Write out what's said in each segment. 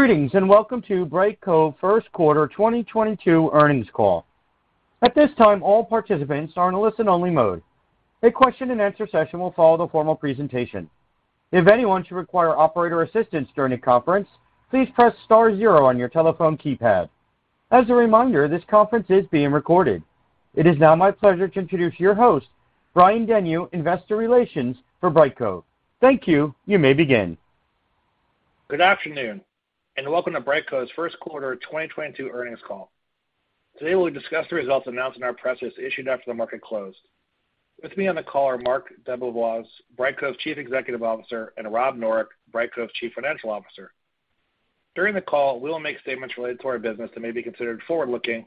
Greetings. Welcome to Brightcove Q1 2022 earnings call. At this time, all participants are in a listen-only mode. A question and answer session will follow the formal presentation. If anyone should require operator assistance during the conference, please press star zero on your telephone keypad. As a reminder, this conference is being recorded. It is now my pleasure to introduce your host, Brian Denyeau, Investor Relations for Brightcove. Thank you. You may begin. Good afternoon, and welcome to Brightcove's Q1 2022 earnings call. Today, we'll discuss the results announced in our press release issued after the market closed. With me on the call are Marc DeBevoise, Brightcove's Chief Executive Officer, and Rob Noreck, Brightcove's Chief Financial Officer. During the call, we will make statements related to our business that may be considered forward-looking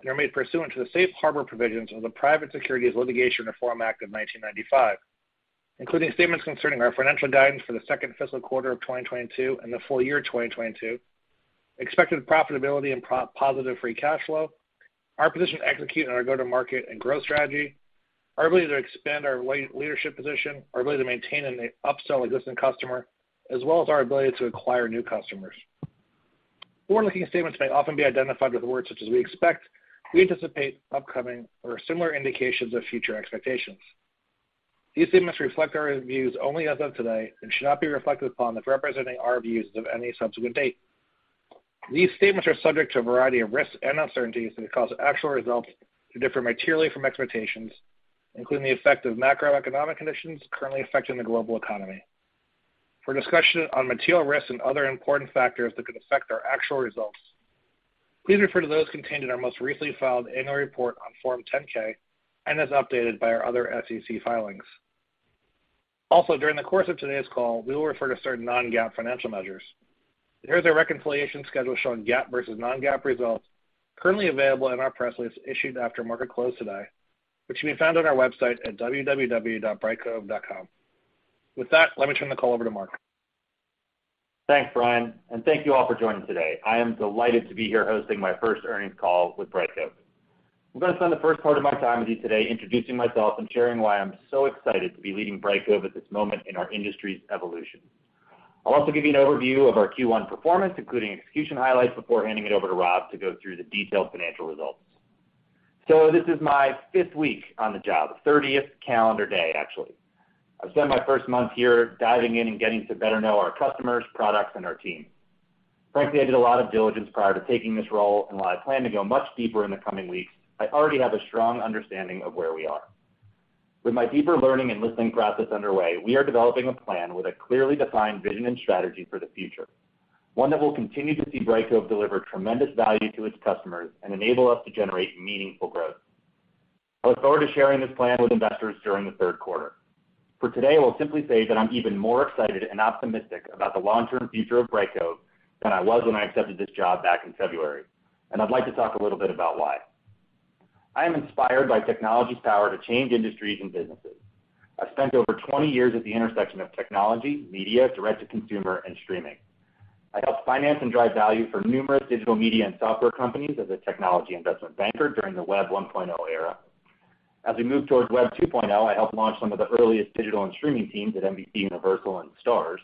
and are made pursuant to the Safe Harbor Provisions of the Private Securities Litigation Reform Act of 1995, including statements concerning our financial guidance for the Q2 FY2022 and the full-year 2022, expected profitability and positive free cash flow, our position to execute on our go-to-market and growth strategy, our ability to expand our leadership position, our ability to maintain and upsell existing customer, as well as our ability to acquire new customers. Forward-looking statements may often be identified with words such as we expect, we anticipate, upcoming, or similar indications of future expectations. These statements reflect our views only as of today and should not be reflected upon as representing our views of any subsequent date. These statements are subject to a variety of risks and uncertainties that could cause actual results to differ materially from expectations, including the effect of macroeconomic conditions currently affecting the global economy. For discussion on material risks and other important factors that could affect our actual results, please refer to those contained in our most recently filed annual report on Form 10-K and as updated by our other SEC filings. Also, during the course of today's call, we will refer to certain non-GAAP financial measures. Here's a reconciliation schedule showing GAAP versus non-GAAP results currently available in our press release issued after market close today, which can be found on our website at www.brightcove.com. With that, let me turn the call over to Marc DeBevoise. Thanks, Brian, and thank you all for joining today. I am delighted to be here hosting my first earnings call with Brightcove. I'm gonna spend the first part of my time with you today introducing myself and sharing why I'm so excited to be leading Brightcove at this moment in our industry's evolution. I'll also give you an overview of our Q1 performance, including execution highlights, before handing it over to Rob to go through the detailed financial results. This is my fifth week on the job, thirtieth calendar day, actually. I've spent my first month here diving in and getting to better know our customers, products, and our team. Frankly, I did a lot of diligence prior to taking this role, and while I plan to go much deeper in the coming weeks, I already have a strong understanding of where we are. With my deeper learning and listening process underway, we are developing a plan with a clearly defined vision and strategy for the future, one that will continue to see Brightcove deliver tremendous value to its customers and enable us to generate meaningful growth. I look forward to sharing this plan with investors during the third quarter. For today, I'll simply say that I'm even more excited and optimistic about the long-term future of Brightcove than I was when I accepted this job back in February, and I'd like to talk a little bit about why. I am inspired by technology's power to change industries and businesses. I've spent over 20 years at the intersection of technology, media, direct-to-consumer, and streaming. I helped finance and drive value for numerous digital media and software companies as a technology investment banker during the Web 1.0 era. As we moved towards Web 2.0, I helped launch some of the earliest digital and streaming teams at NBCUniversal and Starz.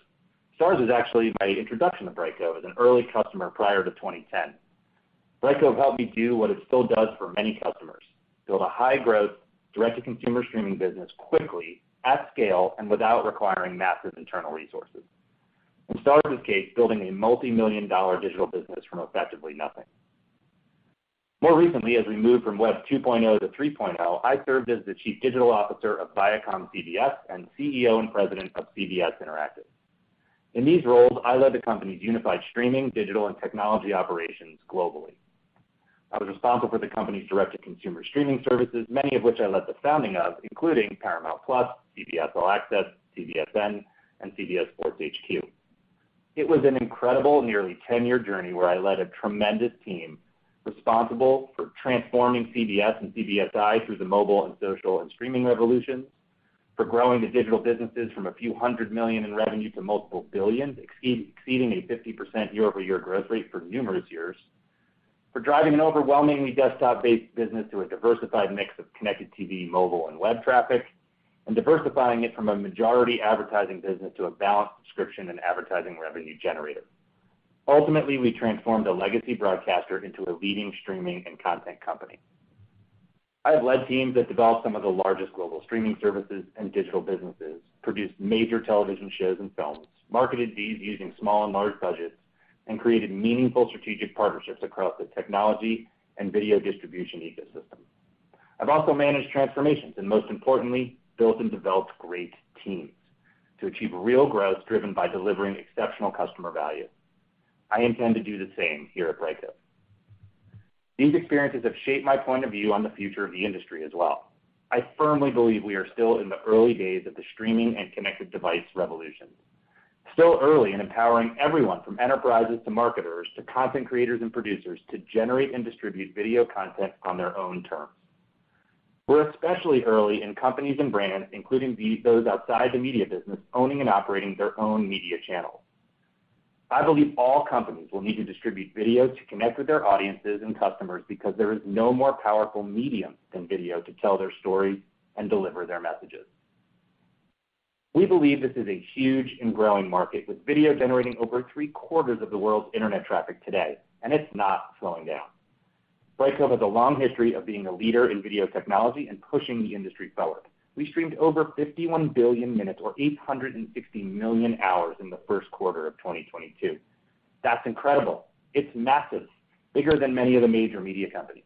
Starz was actually my introduction to Brightcove as an early customer prior to 2010. Brightcove helped me do what it still does for many customers, build a high-growth, direct-to-consumer streaming business quickly, at scale, and without requiring massive internal resources. In Starz's case, building a multi-million dollar digital business from effectively nothing. More recently, as we moved from Web 2.0 to Web 3.0, I served as the Chief Digital Officer of ViacomCBS and CEO and President of CBS Interactive. In these roles, I led the company's unified streaming, digital, and technology operations globally. I was responsible for the company's direct-to-consumer streaming services, many of which I led the founding of, including Paramount, CBS All Access, CBSN, and CBS Sports HQ. It was an incredible nearly 10-year journey where I led a tremendous team responsible for transforming CBS and CBSI through the mobile and social and streaming revolutions, for growing the digital businesses from a few hundred million in revenue to multiple billion, exceeding a 50% year-over-year growth rate for numerous years, for driving an overwhelmingly desktop-based business to a diversified mix of connected TV, mobile, and web traffic, and diversifying it from a majority advertising business to a balanced subscription and advertising revenue generator. Ultimately, we transformed a legacy broadcaster into a leading streaming and content company. I have led teams that developed some of the largest global streaming services and digital businesses, produced major television shows and films, marketed these using small and large budgets, and created meaningful strategic partnerships across the technology and video distribution ecosystem. I've also managed transformations and, most importantly, built and developed great teams to achieve real growth driven by delivering exceptional customer value. I intend to do the same here at Brightcove. These experiences have shaped my point of view on the future of the industry as well. I firmly believe we are still in the early days of the streaming and connected device revolution. Still early in empowering everyone from enterprises to marketers to content creators and producers to generate and distribute video content on their own terms. We're especially early in companies and brands, including those outside the media business, owning and operating their own media channels. I believe all companies will need to distribute video to connect with their audiences and customers because there is no more powerful medium than video to tell their story and deliver their messages. We believe this is a huge and growing market, with video generating over three-quarters of the world's internet traffic today, and it's not slowing down. Brightcove has a long history of being a leader in video technology and pushing the industry forward. We streamed over 51 billion minutes, or 860 million hours in the Q1 2022. That's incredible. It's massive, bigger than many of the major media companies.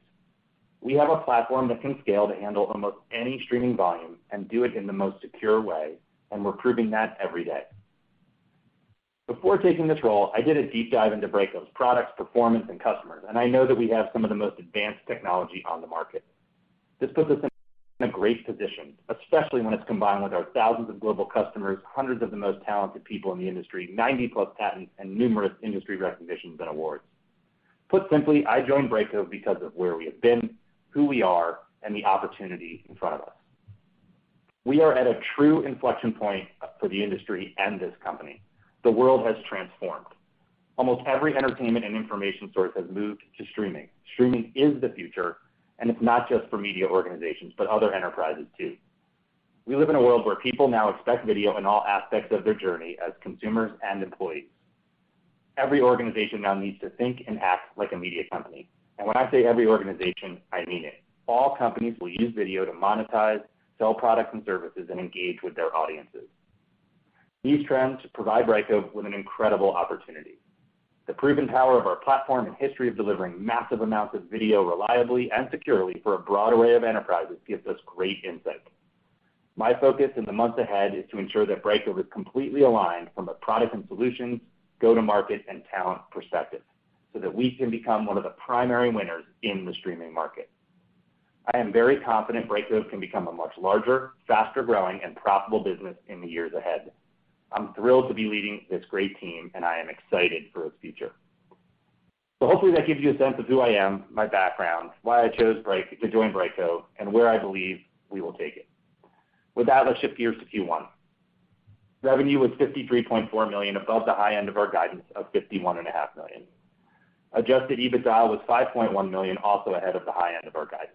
We have a platform that can scale to handle almost any streaming volume and do it in the most secure way, and we're proving that every day. Before taking this role, I did a deep dive into Brightcove's products, performance, and customers, and I know that we have some of the most advanced technology on the market. This puts us in a great position, especially when it's combined with our thousands of global customers, hundreds of the most talented people in the industry, more than 90 patents, and numerous industry recognitions and awards. Put simply, I joined Brightcove because of where we have been, who we are, and the opportunity in front of us. We are at a true inflection point for the industry and this company. The world has transformed. Almost every entertainment and information source has moved to streaming. Streaming is the future, and it's not just for media organizations, but other enterprises too. We live in a world where people now expect video in all aspects of their journey as consumers and employees. Every organization now needs to think and act like a media company, and when I say every organization, I mean it. All companies will use video to monetize, sell products and services, and engage with their audiences. These trends provide Brightcove with an incredible opportunity. The proven power of our platform and history of delivering massive amounts of video reliably and securely for a broad array of enterprises gives us great insight. My focus in the months ahead is to ensure that Brightcove is completely aligned from a product and solution, go-to-market, and talent perspective, so that we can become one of the primary winners in the streaming market. I am very confident Brightcove can become a much larger, faster-growing, and profitable business in the years ahead. I'm thrilled to be leading this great team, and I am excited for its future. Hopefully that gives you a sense of who I am, my background, why I chose to join Brightcove, and where I believe we will take it. With that, let's shift gears to Q1. Revenue was $53.4 million, above the high end of our guidance of $51.5 million. Adjusted EBITDA was $5.1 million, also ahead of the high end of our guidance.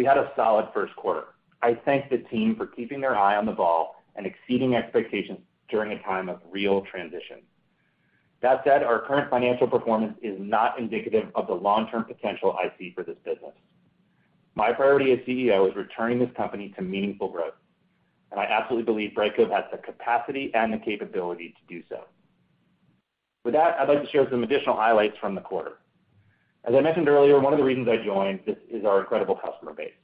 We had a solid first quarter. I thank the team for keeping their eye on the ball and exceeding expectations during a time of real transition. That said, our current financial performance is not indicative of the long-term potential I see for this business. My priority as CEO is returning this company to meaningful growth, and I absolutely believe Brightcove has the capacity and the capability to do so. With that, I'd like to share some additional highlights from the quarter. As I mentioned earlier, one of the reasons I joined this is our incredible customer base.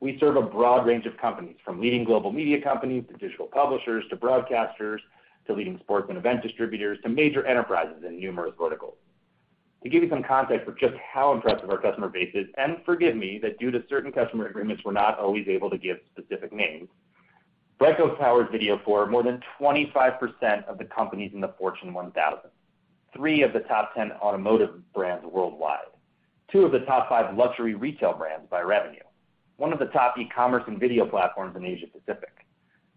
We serve a broad range of companies, from leading global media companies, to digital publishers, to broadcasters, to leading sports and event distributors, to major enterprises in numerous verticals. To give you some context for just how impressive our customer base is, and forgive me that due to certain customer agreements, we're not always able to give specific names. Brightcove powers video for more than 25% of the companies in the Fortune 1000, three of the top 10 automotive brands worldwide, two of the top five luxury retail brands by revenue, one of the top e-commerce and video platforms in Asia-Pacific,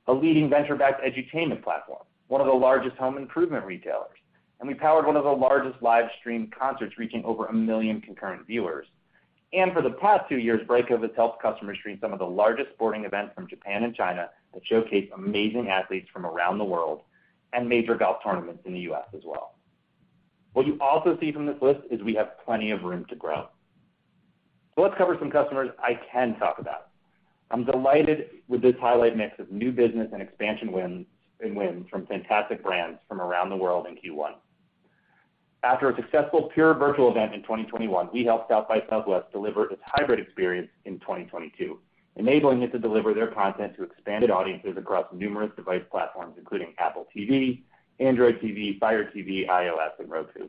a leading venture-backed edutainment platform, one of the largest home improvement retailers, and we powered one of the largest live-streamed concerts reaching over 1 million concurrent viewers. For the past two years, Brightcove has helped customers stream some of the largest sporting events from Japan and China that showcase amazing athletes from around the world, and major golf tournaments in the U.S. as well. What you also see from this list is we have plenty of room to grow. Let's cover some customers I can talk about. I'm delighted with this highlight mix of new business and expansion wins, and wins from fantastic brands from around the world in Q1. After a successful pure virtual event in 2021, we helped South by Southwest deliver its hybrid experience in 2022, enabling it to deliver their content to expanded audiences across numerous device platforms, including Apple TV, Android TV, Fire TV, iOS, and Roku.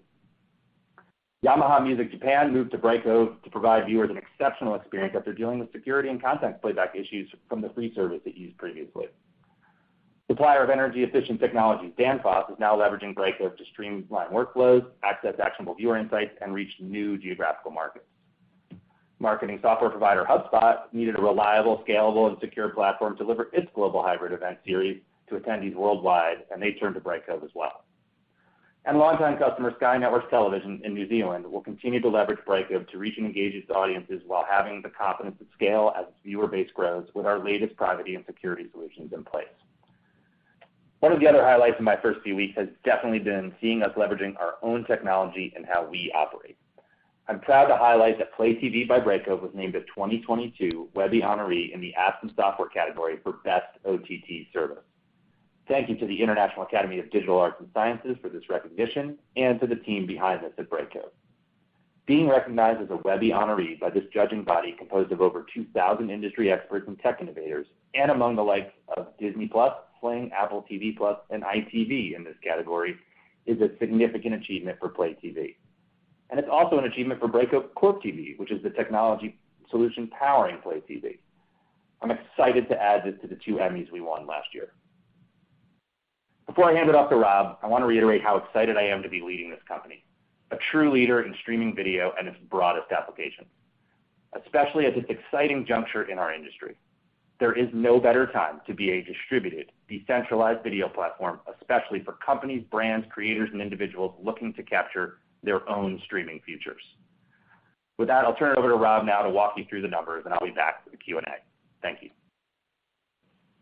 Yamaha Music Japan moved to Brightcove to provide viewers an exceptional experience after dealing with security and content playback issues from the free service it used previously. Supplier of energy-efficient technologies, Danfoss, is now leveraging Brightcove to streamline workflows, access actionable viewer insights, and reach new geographical markets. Marketing software provider, HubSpot, needed a reliable, scalable, and secure platform to deliver its global hybrid event series to attendees worldwide, and they turned to Brightcove as well. Longtime customer Sky Network Television in New Zealand will continue to leverage Brightcove to reach and engage its audiences while having the confidence to scale as its viewer base grows with our latest privacy and security solutions in place. One of the other highlights in my first few weeks has definitely been seeing us leveraging our own technology and how we operate. I'm proud to highlight that PlayTV by Brightcove was named a 2022 Webby Honoree in the Apps and Software category for Best OTT Service. Thank you to the International Academy of Digital Arts and Sciences for this recognition, and to the team behind this at Brightcove. Being recognized as a Webby Honoree by this judging body composed of over 2,000 industry experts and tech innovators, and among the likes of Disney+, Sling TV, Apple TV+, and ITV in this category, is a significant achievement for PlayTV. It's also an achievement for Brightcove CorpTV, which is the technology solution powering PLAY TV. I'm excited to add this to the two Emmys we won last year. Before I hand it off to Rob, I want to reiterate how excited I am to be leading this company, a true leader in streaming video and its broadest applications, especially at this exciting juncture in our industry. There is no better time to be a distributed, decentralized video platform, especially for companies, brands, creators, and individuals looking to capture their own streaming futures. With that, I'll turn it over to Rob now to walk you through the numbers, and I'll be back for the Q&A. Thank you.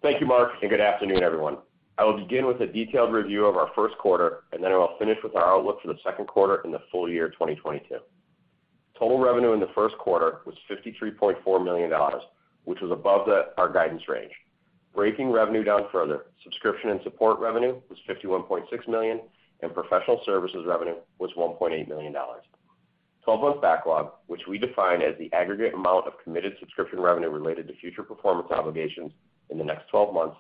Thank you, Marc, and good afternoon, everyone. I will begin with a detailed review of our first quarter, and then I will finish with our outlook for the second quarter and the full-year 2022. Total revenue in the first quarter was $53.4 million, which was above our guidance range. Breaking revenue down further, subscription and support revenue was $51.6 million, and professional services revenue was $1.8 million. 12-month backlog, which we define as the aggregate amount of committed subscription revenue related to future performance obligations in the next 12 months,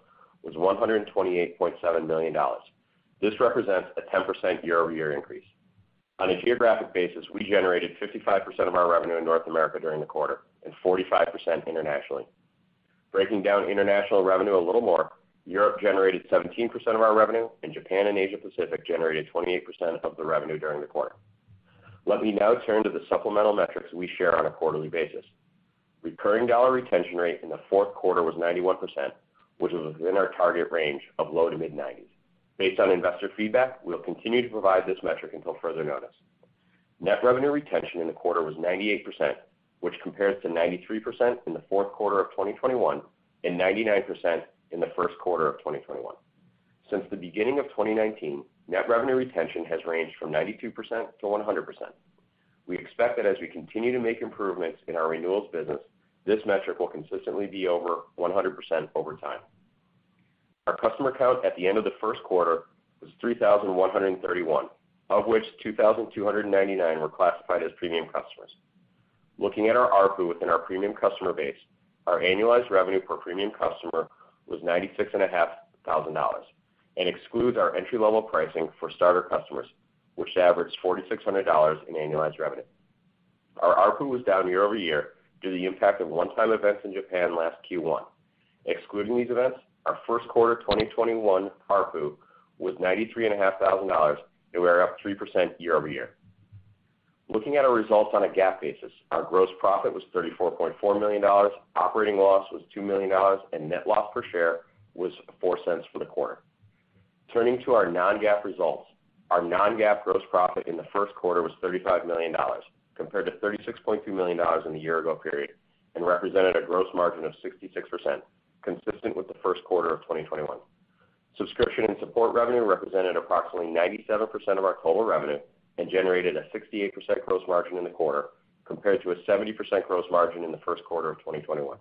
was $128.7 million. This represents a 10% year-over-year increase. On a geographic basis, we generated 55% of our revenue in North America during the quarter and 45% internationally. Breaking down international revenue a little more, Europe generated 17% of our revenue, and Japan and Asia-Pacific generated 28% of the revenue during the quarter. Let me now turn to the supplemental metrics we share on a quarterly basis. Recurring dollar retention rate in the fourth quarter was 91%, which was within our target range of low- to mid-90s. Based on investor feedback, we'll continue to provide this metric until further notice. Net revenue retention in the quarter was 98%, which compares to 93% in the Q4 2021 and 99% in the Q1 2021. Since the beginning of 2019, net revenue retention has ranged from 92% to 100%. We expect that as we continue to make improvements in our renewals business, this metric will consistently be over 100% over time. Our customer count at the end of the first quarter was 3,131, of which 2,299 were classified as premium customers. Looking at our ARPU within our premium customer base, our annualized revenue per premium customer was $96,500 and excludes our entry-level pricing for starter customers, which averaged $4,600 in annualized revenue. Our ARPU was down year-over-year due to the impact of one-time events in Japan last Q1. Excluding these events, our Q1 2021 ARPU was $93,500, and we are up 3% year-over-year. Looking at our results on a GAAP basis, our gross profit was $34.4 million, operating loss was $2 million, and net loss per share was $0.04 for the quarter. Turning to our non-GAAP results, our non-GAAP gross profit in the Q1 was $35 million compared to $36.2 million in the year ago period and represented a gross margin of 66%, consistent with the Q1 2021. Subscription and support revenue represented approximately 97% of our total revenue and generated a 68% gross margin in the quarter compared to a 70% gross margin in the Q1 2021.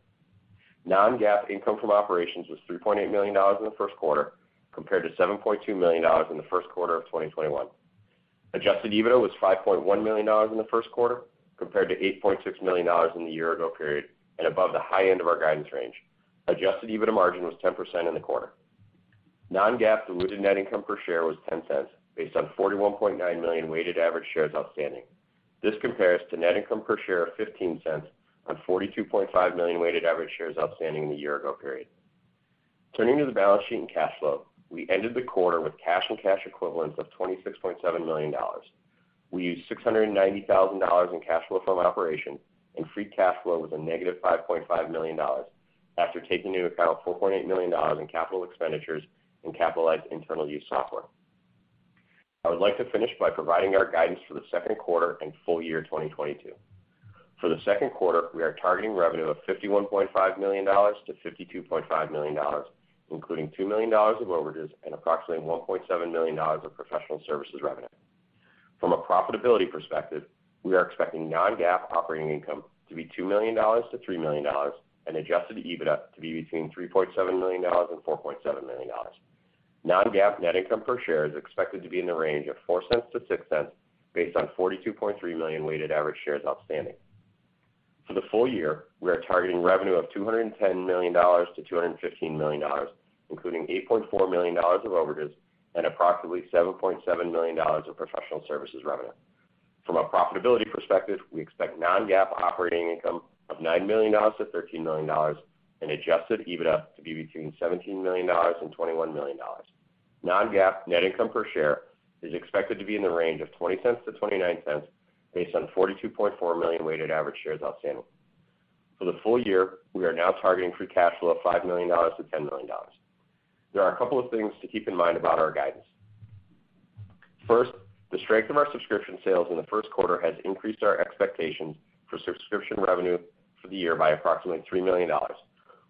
Non-GAAP income from operations was $3.8 million in the first quarter compared to $7.2 million in the Q1 2021. Adjusted EBITDA was $5.1 million in the first quarter compared to $8.6 million in the year ago period and above the high end of our guidance range. Adjusted EBITDA margin was 10% in the quarter. Non-GAAP diluted net income per share was $0.10 based on 41.9 million weighted average shares outstanding. This compares to net income per share of $0.15 on 42.5 million weighted average shares outstanding in the year ago period. Turning to the balance sheet and cash flow, we ended the quarter with cash and cash equivalents of $26.7 million. We used $690 thousand in cash flow from operations, and free cash flow was negative $5.5 million after taking into account $4.8 million in capital expenditures and capitalized internal-use software. I would like to finish by providing our guidance for the Q2 and full-year 2022. For the Q2, we are targeting revenue of $51.5 million to $52.5 million, including $2 million of overages and approximately $1.7 million of professional services revenue. From a profitability perspective, we are expecting non-GAAP operating income to be $2 million to $3 million and adjusted EBITDA to be between $3.7 million and $4.7 million. Non-GAAP net income per share is expected to be in the range of $0.04 to $0.06 based on 42.3 million weighted average shares outstanding. For the full-year, we are targeting revenue of $210 million to $215 million, including $8.4 million of overages and approximately $7.7 million of professional services revenue. From a profitability perspective, we expect non-GAAP operating income of $9 million to $13 million and adjusted EBITDA to be between $17 million and $21 million. Non-GAAP net income per share is expected to be in the range of $0.20 to $0.29 based on 42.4 million weighted average shares outstanding. For the full-year, we are now targeting free cash flow of $5 million to $10 million. There are a couple of things to keep in mind about our guidance. First, the strength of our subscription sales in the first quarter has increased our expectations for subscription revenue for the year by approximately $3 million.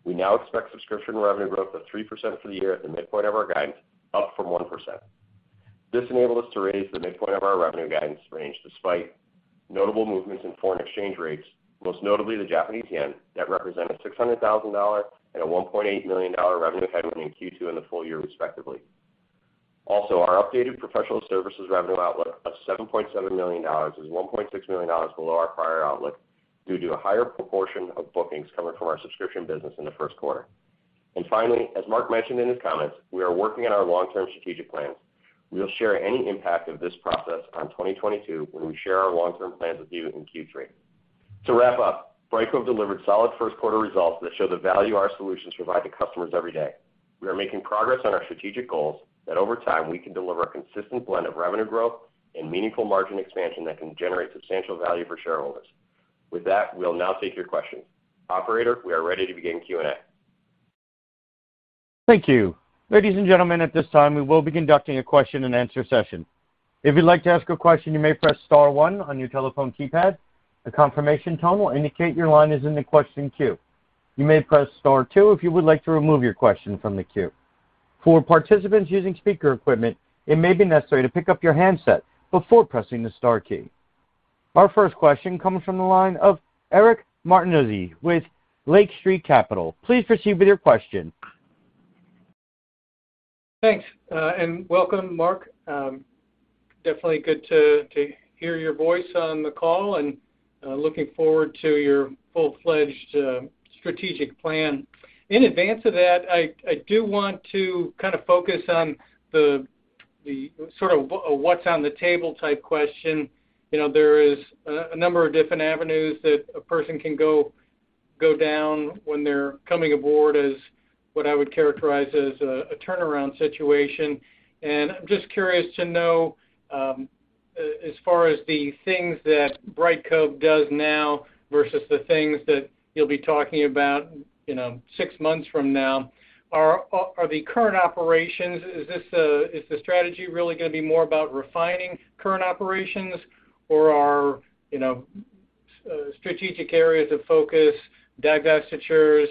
We now expect subscription revenue growth of 3% for the year at the midpoint of our guidance, up from 1%. This enabled us to raise the midpoint of our revenue guidance range despite notable movements in foreign exchange rates, most notably the Japanese yen, that represented $600,000 and a $1.8 million revenue headwind in Q2 in the full year, respectively. Also, our updated professional services revenue outlook of $7.7 million is $1.6 million below our prior outlook due to a higher proportion of bookings coming from our subscription business in the first quarter. Finally, as Marc mentioned in his comments, we are working on our long-term strategic plans. We'll share any impact of this process on 2022 when we share our long-term plans with you in Q3. To wrap up, Brightcove delivered solid first quarter results that show the value our solutions provide to customers every day. We are making progress on our strategic goals that over time, we can deliver a consistent blend of revenue growth and meaningful margin expansion that can generate substantial value for shareholders. With that, we'll now take your questions. Operator, we are ready to begin Q&A. Thank you. Ladies and gentlemen, at this time, we will be conducting a question-and-answer session. If you'd like to ask a question, you may press star one on your telephone keypad. A confirmation tone will indicate your line is in the question queue. You may press star two if you would like to remove your question from the queue. For participants using speaker equipment, it may be necessary to pick up your handset before pressing the star key. Our first question comes from the line of Eric Martinuzzi with Lake Street Capital Markets. Please proceed with your question. Thanks, welcome, Mark. Definitely good to hear your voice on the call and looking forward to your full-fledged strategic plan. In advance of that, I do want to kind of focus on the sort of what's on the table type question. You know, there is a number of different avenues that a person can go down when they're coming aboard as what I would characterize as a turnaround situation. I'm just curious to know, as far as the things that Brightcove does now versus the things that you'll be talking about, you know, six months from now, are the current operations. Is the strategy really gonna be more about refining current operations? Or you know, strategic areas of focus, divestitures,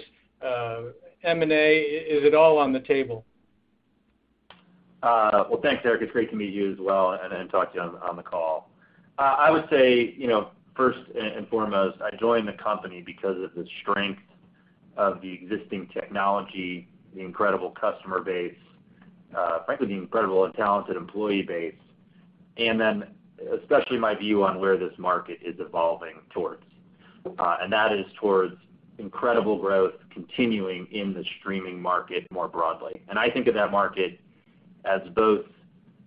M&A, is it all on the table? Well, thanks, Eric. It's great to meet you as well and talk to you on the call. I would say, first and foremost, I joined the company because of the strength of the existing technology, the incredible customer base, frankly, the incredible and talented employee base, and then especially my view on where this market is evolving towards. That is towards incredible growth continuing in the streaming market more broadly. I think of that market as both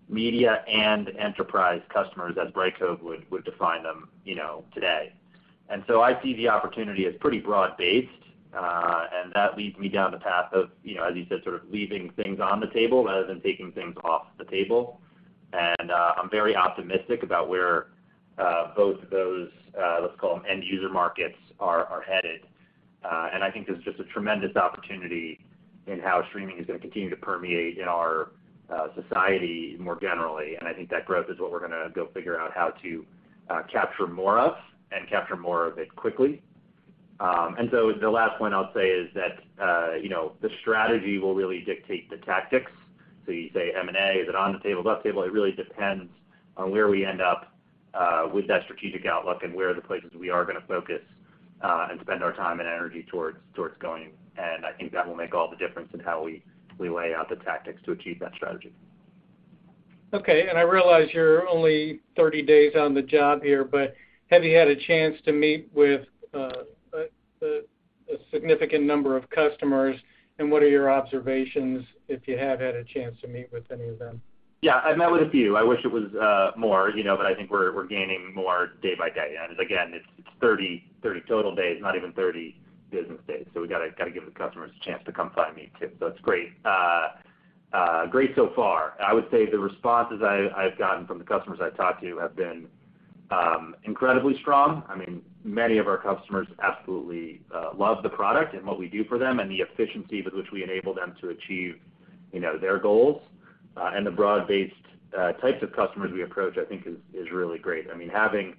media and enterprise customers as Brightcove would define them, you know, today. I see the opportunity as pretty broad-based, and that leads me down the path of, as you said, sort of leaving things on the table rather than taking things off the table. I'm very optimistic about where both of those, let's call them end user markets are headed. I think there's just a tremendous opportunity in how streaming is gonna continue to permeate in our society more generally. I think that growth is what we're gonna go figure out how to capture more of it quickly. The last point I'll say is that, you know, the strategy will really dictate the tactics. You say M&A, is it on the table, off the table? It really depends on where we end up with that strategic outlook and where are the places we are gonna focus and spend our time and energy towards going.I think that will make all the difference in how we lay out the tactics to achieve that strategy. Okay. I realize you're only 30 days on the job here, but have you had a chance to meet with a significant number of customers? What are your observations if you have had a chance to meet with any of them? Yeah, I've met with a few. I wish it was more, you know, but I think we're gaining more day by day. Again, it's 30 total days, not even 30 business days, so we gotta give the customers a chance to come find me, too. It's great. Great so far. I would say the responses I've gotten from the customers I've talked to have been incredibly strong. I mean, many of our customers absolutely love the product and what we do for them and the efficiency with which we enable them to achieve, you know, their goals. The broad-based types of customers we approach, I think is really great. I mean, having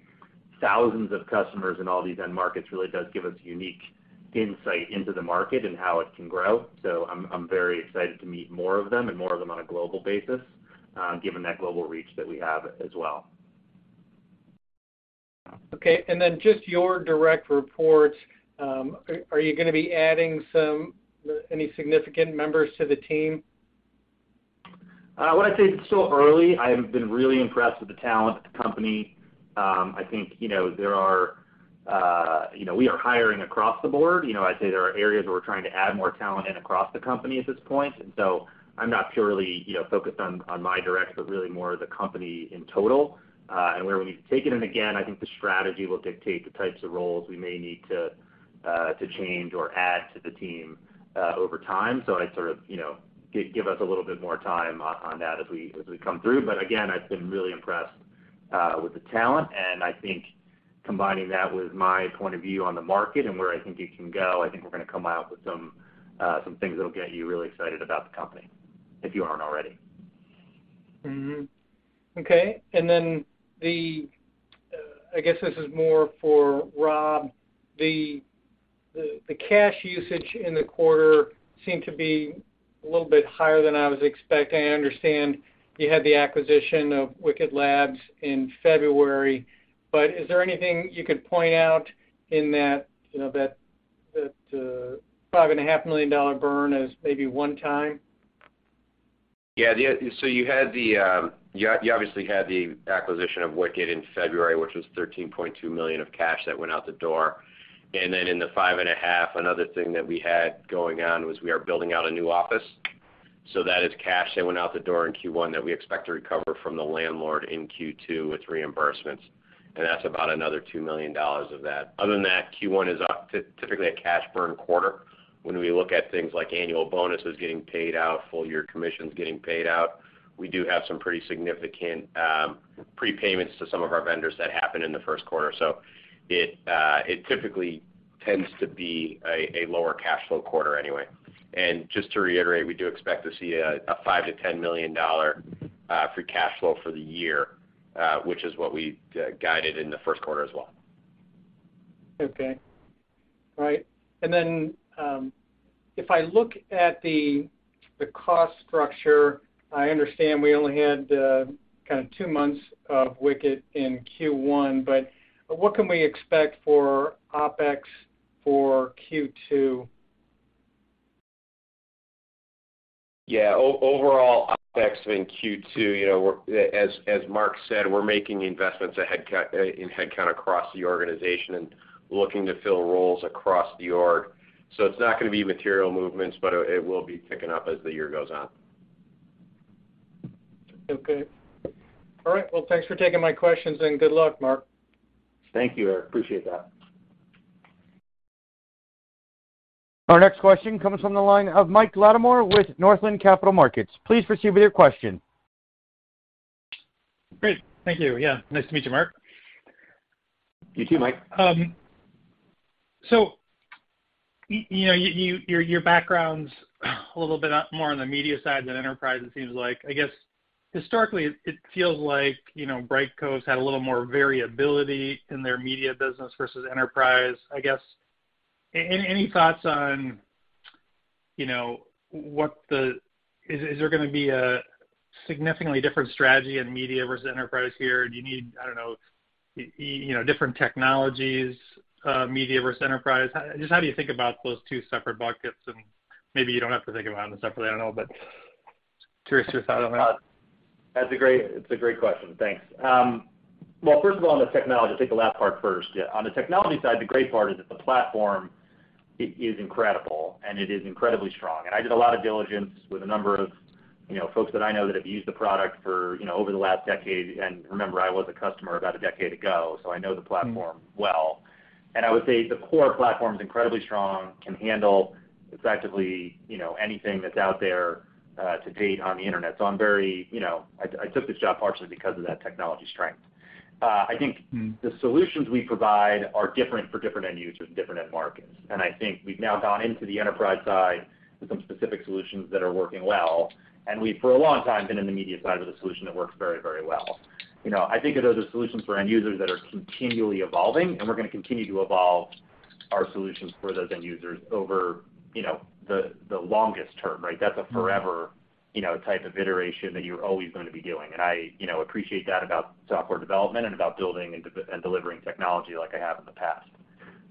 thousands of customers in all these end markets really does give us unique insight into the market and how it can grow. I'm very excited to meet more of them and more of them on a global basis, given that global reach that we have as well. Okay. Just your direct reports, are you gonna be adding any significant members to the team? What I'd say it's still early. I have been really impressed with the talent at the company. I think, there are, we are hiring across the board. I'd say there are areas where we're trying to add more talent in across the company at this point. I'm not purely, you know, focused on my direct, but really more the company in total, and where we need to take it. Again, I think the strategy will dictate the types of roles we may need to change or add to the team, over time. I'd sort of, give us a little bit more time on that as we come through. I've been really impressed with the talent, and I think combining that with my point of view on the market and where I think it can go, I think we're gonna come out with some things that'll get you really excited about the company, if you aren't already. I guess this is more for Rob. The cash usage in the quarter seemed to be a little bit higher than I was expecting. I understand you had the acquisition of Wicket Labs in February. Is there anything you could point out in that $5.5 million burn is maybe one time? Yeah. You obviously had the acquisition of Wicket in February, which was $13.2 million of cash that went out the door. Then in the five and a half, another thing that we had going on was we are building out a new office. That is cash that went out the door in Q1 that we expect to recover from the landlord in Q2 with reimbursements, and that's about another $2 million of that. Other than that, Q1 is typically a cash burn quarter. When we look at things like annual bonuses getting paid out, full year commissions getting paid out, we do have some pretty significant prepayments to some of our vendors that happen in the Q1. It typically tends to be a lower cash flow quarter anyway. Just to reiterate, we do expect to see a $5 million to $10 million free cash flow for the year. Which is what we guided in the first quarter as well. Okay. All right. If I look at the cost structure, I understand we only had kind of two months of Wicket in Q1, but what can we expect for OpEx for Q2? Yeah. Overall OpEx in Q2, as Marc said, we're making investments in headcount across the organization and looking to fill roles across the org. It's not gonna be material movements, but it will be picking up as the year goes on. Okay. All right. Well, thanks for taking my questions, and good luck, Marc. Thank you. I appreciate that. Our next question comes from the line of Mike Latimore with Northland Capital Markets. Please proceed with your question. Great. Thank you. Yeah, nice to meet you, Marc. You too, Mike. You know, your background's a little bit more on the media side than enterprise, it seems like. I guess, historically, it feels like, you know, Brightcove had a little more variability in their media business versus enterprise. I guess, any thoughts on, is there gonna be a significantly different strategy in media versus enterprise here? Do you need, I don't know, different technologies, media versus enterprise? Just how do you think about those two separate buckets? Maybe you don't have to think about them separately, I don't know, but curious your thought on that. It's a great question, thanks. Well, first of all, on the technology, I'll take the last part first. Yeah, on the technology side, the great part is that the platform is incredible, and it is incredibly strong. I did a lot of diligence with a number of, folks that I know that have used the product for, over the last decade. Remember, I was a customer about a decade ago, so I know the platform well. I would say the core platform is incredibly strong, can handle effectively, anything that's out there, to date on the Internet. I'm very, you know, I took this job partially because of that technology strength. I think the solutions we provide are different for different end users, different end markets. I think we've now gone into the enterprise side with some specific solutions that are working well. We've, for a long time, been in the media side with a solution that works very, very well. I think of those as solutions for end users that are continually evolving, and we're gonna continue to evolve our solutions for those end users over, the longest term, right? That's a forever, type of iteration that you're always gonna be doing. I, appreciate that about software development and about building and delivering technology like I have in the past.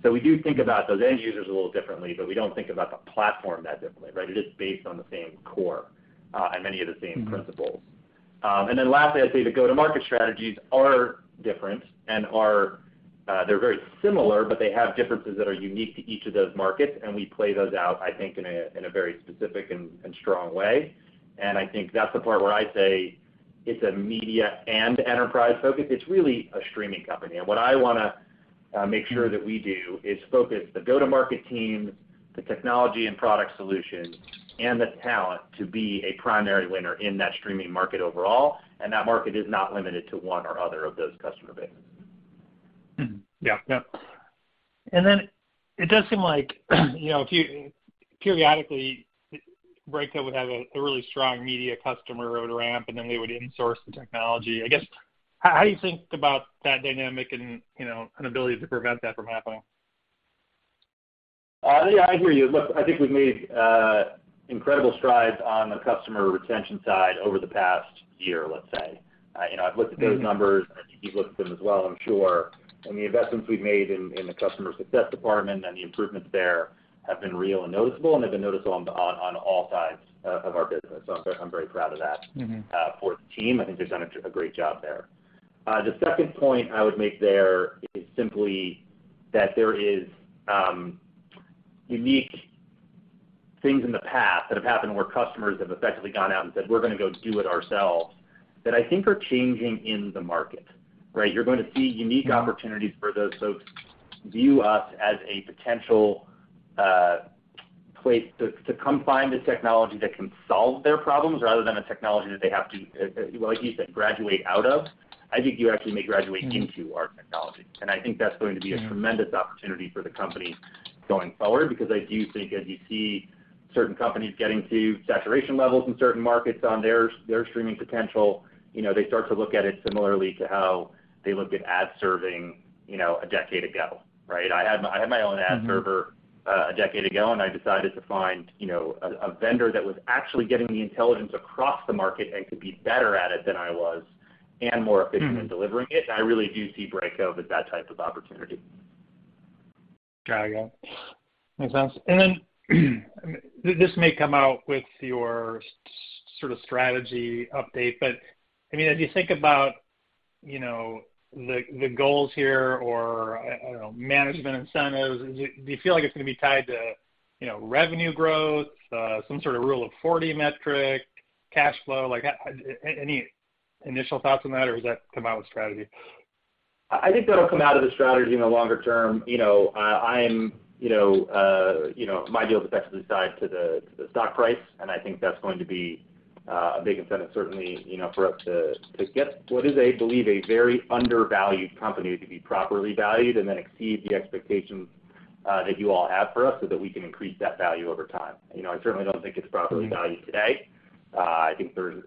We do think about those end users a little differently, but we don't think about the platform that differently, right? It is based on the same core, and many of the same principles. Last, I'd say the go-to-market strategies are different, and they're very similar, but they have differences that are unique to each of those markets, and we play those out, I think, in a very specific and strong way. I think that's the part where I say it's a media and enterprise focus. It's really a streaming company. What I wanna make sure that we do is focus the go-to-market team, the technology and product solution, and the talent to be a primary winner in that streaming market overall. That market is not limited to one or other of those customer bases. It does seem like, you know, if you periodically Brightcove would have a really strong media customer it would ramp, and then they would in-source the technology. I guess, how do you think about that dynamic and, you know, an ability to prevent that from happening? Yeah, I hear you. Look, I think we've made incredible strides on the customer retention side over the past year, let's say. I've looked at those numbers, and I think you've looked at them as well, I'm sure. The investments we've made in the customer success department and the improvements there have been real and noticeable, and they've been noticeable on all sides of our business. I'm very proud of that. Mm-hmm. For the team. I think they've done a great job there. The second point I would make there is simply that there is unique things in the past that have happened where customers have effectively gone out and said, "We're gonna go do it ourselves," that I think are changing in the market, right? You're going to see unique opportunities for those folks to view us as a potential place to come find the technology that can solve their problems rather than a technology that they have to, like you said, graduate out of. I think you actually may graduate into our technology. I think that's going to be a tremendous opportunity for the company going forward because I do think as you see certain companies getting to saturation levels in certain markets on their streaming potential, you know, they start to look at it similarly to how they looked at ad serving, a decade ago, right? I had my own ad server a decade ago, and I decided to find, you know, a vendor that was actually getting the intelligence across the market and could be better at it than I was and more efficient in delivering it. I really do see Brightcove as that type of opportunity. Got it. Makes sense. This may come out with your sort of strategy update, but I mean, as you think about, the goals here or, I don't know, management incentives, do you feel like it's gonna be tied to, revenue growth, some sort of Rule of 40 metric, cash flow? Like, any initial thoughts on that or does that come out with strategy? I think that'll come out of the strategy in the longer term. My deal is effectively tied to the stock price, and I think that's going to be a big incentive, certainly, you know, for us to get what is, I believe, a very undervalued company to be properly valued and then exceed the expectations that you all have for us so that we can increase that value over time. I certainly don't think it's properly valued today. I think there's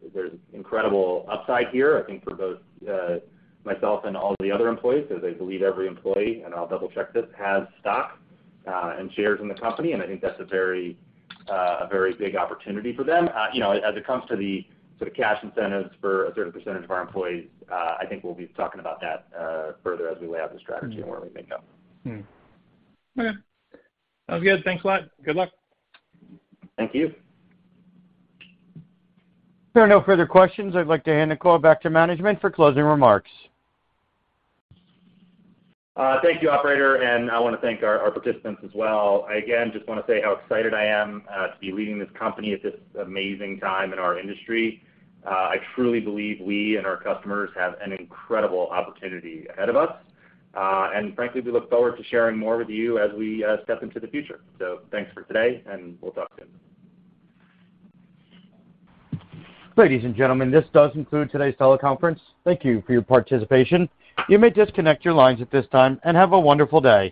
incredible upside here, I think for both myself and all the other employees, 'cause I believe every employee, and I'll double-check this, has stock and shares in the company, and I think that's a very big opportunity for them. As it comes to the sort of cash incentives for a certain percentage of our employees, I think we'll be talking about that further as we lay out the strategy and where we may go. Mm-hmm. Okay. Sounds good. Thanks a lot. Good luck. Thank you. If there are no further questions, I'd like to hand the call back to management for closing remarks. Thank you, operator, and I wanna thank our participants as well. I again just wanna say how excited I am to be leading this company at this amazing time in our industry. I truly believe we and our customers have an incredible opportunity ahead of us. Frankly, we look forward to sharing more with you as we step into the future. Thanks for today, and we'll talk soon. Ladies and gentlemen, this does conclude today's teleconference. Thank you for your participation. You may disconnect your lines at this time, and have a wonderful day.